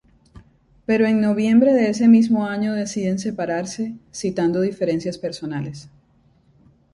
Pero en noviembre de ese mismo año deciden separarse, citando diferencias personales.